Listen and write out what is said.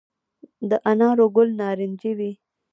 د انارو ګل نارنجي وي؟